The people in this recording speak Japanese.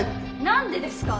何でですか？